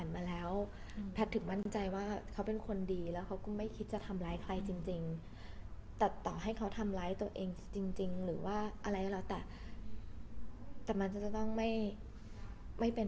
มันก็เลยกลายเป็น